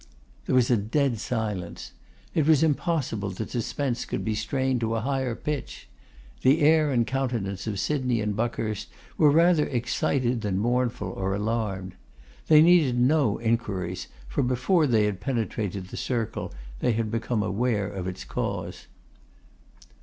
There was a dead silence. It was impossible that suspense could be strained to a higher pitch. The air and countenance of Sydney and Buckhurst were rather excited than mournful or alarmed. They needed no inquiries, for before they had penetrated the circle they had become aware of its cause.